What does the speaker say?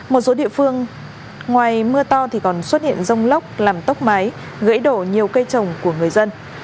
một số địa phương ngoài mưa to thì còn xuất hiện rông lốc làm tốc máy gãy đổ nhiều cây trồng của người dân